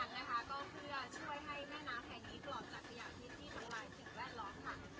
ข้ามห่วงใหญ่นี้กรอบรักอย่างที่ที่ตัวลายถึงแวดร้อนค่ะ